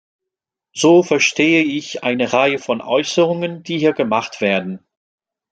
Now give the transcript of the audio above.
So verstehe ich eine Reihe von Äußerungen, die hier gemacht werden.